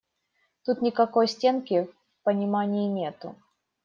Тут никакой стенки в понимании нету.